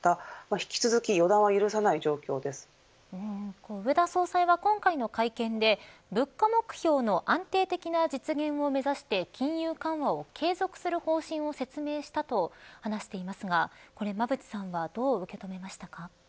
引き続き植田総裁は今回の会見で物価目標の安定的な実現を目指して金融緩和を継続する方針を説明したと話していますがこれ馬渕さんはどう受け止めましたか。